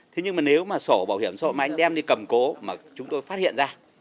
thế nhưng mà nếu mà sổ bảo hiểm xã hội mà anh đem đi cầm cố mà chúng tôi phát hiện ra